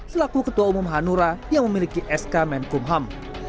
selaku ketua umum hanura yang memiliki sk menkumham